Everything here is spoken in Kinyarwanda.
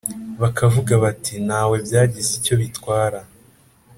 Bakavuga bati nta we byagize icyo bitwara